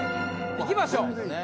いきましょう。